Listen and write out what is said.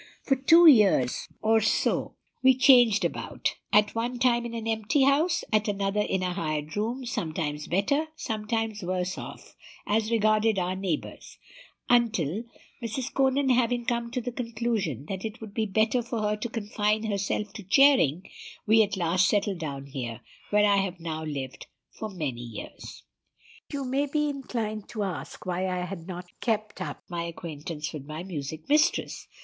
For two years or so we changed about, at one time in an empty house, at another in a hired room, sometimes better, sometimes worse off, as regarded our neighbors, until, Mrs. Conan having come to the conclusion that it would be better for her to confine herself to charing, we at last settled down here, where I have now lived for many years. "You may be inclined to ask why I had not kept up my acquaintance with my music mistress.